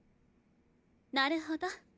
なるほど。